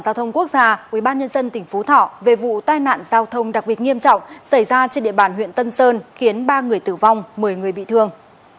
giao thông quốc gia ubnd tỉnh phú thọ về vụ tai nạn giao thông đặc biệt nghiêm trọng xảy ra trên địa bàn huyện tân sơn khiến ba người tử vong một mươi người bị thương